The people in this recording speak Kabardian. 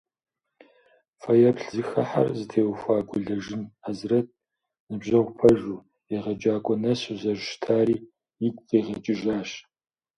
Фэеплъ зэхыхьэр зытеухуа Гулэжын Хьэзрэт ныбжьэгъу пэжу, егъэджакӏуэ нэсу зэрыщытари игу къигъэкӏыжащ.